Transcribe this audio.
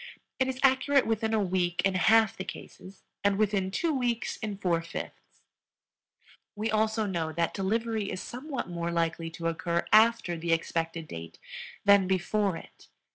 It is accurate within a week in half the cases and within two weeks in four fifths. We also know that delivery is somewhat more likely to occur after the expected date than before it.